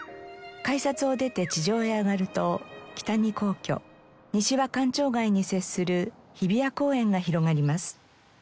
改札を出て地上へ上がると北に皇居西は官庁街に接する日比谷公園が広がります。